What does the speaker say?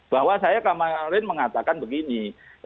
bahwa saya kemarin mengatakan begini